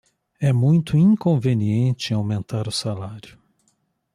É muito inconveniente aumentar o salário